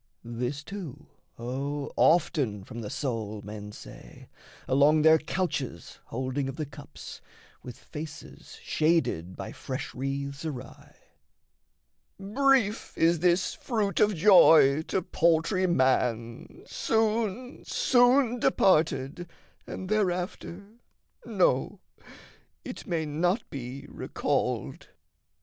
This too, O often from the soul men say, Along their couches holding of the cups, With faces shaded by fresh wreaths awry: "Brief is this fruit of joy to paltry man, Soon, soon departed, and thereafter, no, It may not be recalled."